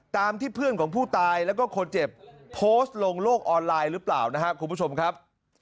ตามที่เพื่อนของผู้ตายแล้วก็คนเจ็บโพสต์ลงโลกออนไลน์หรือเปล่านะครับคุณผู้ชมครับ